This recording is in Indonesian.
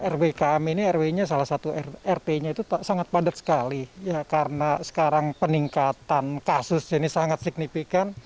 rw kam ini salah satu rp nya itu sangat padat sekali karena sekarang peningkatan kasus ini sangat signifikan